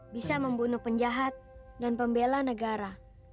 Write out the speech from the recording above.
bisa membunuh penjahat dan pembela negara